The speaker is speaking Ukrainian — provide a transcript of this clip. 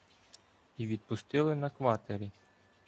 І відпустили на кватері: